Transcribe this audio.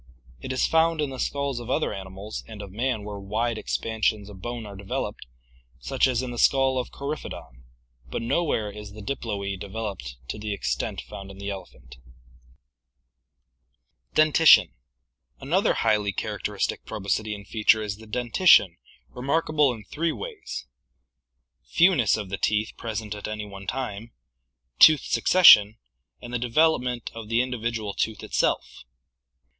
It is found in the skulls of other animals and of man where wide expansions of bone are developed, such as in the skull of Coryphodon (page 555), but nowhere is the diploe developed to the extent found in the elephant. Dentition. — Another highly characteristic proboscidean feature is the dentition, remarkable in three ways: fewness of the teeth PROBOSCIDEANS present at any one time, tooth succession, and the development of the individual tooth itself.